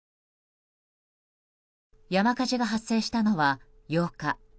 山火事が発生したのは８日。